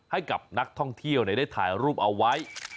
ให้กับนักท่องเที่ยวได้ถ่ายรูปเอาไว้